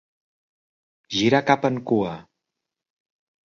Girar cap en cua.